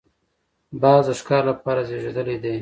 باز د ښکار لپاره زېږېدلی دی